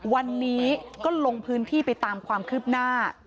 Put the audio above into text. วันนี้ก็ลงพื้นที่ไปตามความคืบหน้า